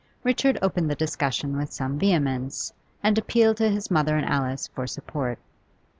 Richard opened the discussion with some vehemence, and appealed to his mother and Alice for support.